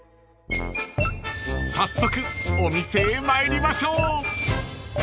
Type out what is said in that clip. ［早速お店へ参りましょう］